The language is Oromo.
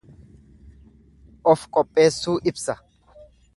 Of qopheessuu ibsa.